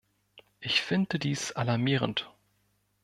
Ich finde dies alarmierend.